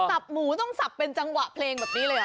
หมูต้องสับเป็นจังหวะเพลงแบบนี้เลย